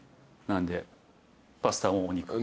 なんでパスタもお肉。